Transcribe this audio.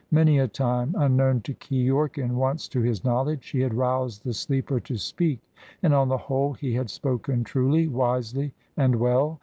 Many a time, unknown to Keyork and once to his knowledge, she had roused the sleeper to speak, and on the whole he had spoken truly, wisely, and well.